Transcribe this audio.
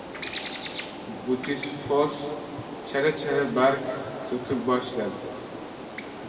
Butifos chala-chala barg to‘kib boshladi.